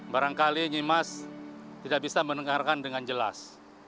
barangkali nyimas tidak bisa mendengarkan dengan jelas